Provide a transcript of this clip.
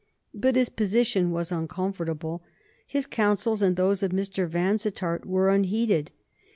But his position was uncomfortable. His counsels and those of Mr. Vansittart were unheeded.